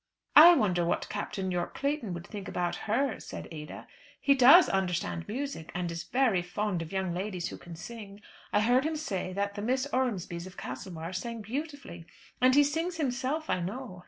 "I wonder what Captain Yorke Clayton would think about her," said Ada. "He does understand music, and is very fond of young ladies who can sing. I heard him say that the Miss Ormesbys of Castlebar sang beautifully; and he sings himself, I know."